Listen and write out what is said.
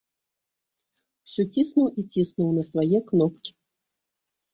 Усё ціснуў і ціснуў на свае кнопкі.